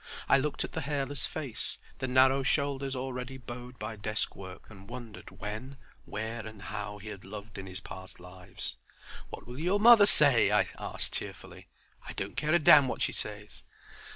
I looked at the hairless face, the narrow shoulders already bowed by desk work, and wondered when, where, and bow he had loved in his past lives. "What will your mother say?" I asked, cheerfully. "I don't care a damn what she says."